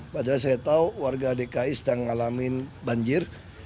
padahal saya tahu warga dki sedang ngalamin banjir